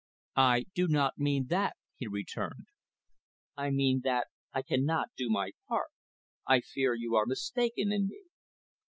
"I do not mean that" he returned "I mean that I can not do my part. I fear you are mistaken in me."